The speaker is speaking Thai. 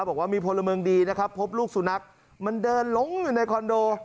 บอกว่ามีพลเมืองดีนะครับพบลูกสุนัขมันเดินลงอยู่ในคอนโด